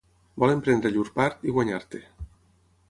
Volen prendre llur part i guanyar-te.